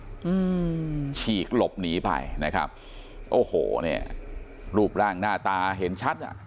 อืมฉีกหลบหนีไปนะครับโอ้โหเนี่ยรูปร่างหน้าตาเห็นชัดอ่ะ